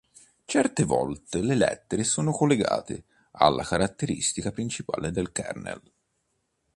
Certe volte, le lettere sono collegate alla caratteristica principale del kernel.